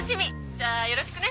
じゃあよろしくね。